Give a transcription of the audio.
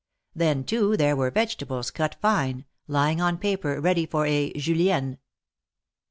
Then, too, there were vegetables, cut fine, lying on paper, ready for a Julienne."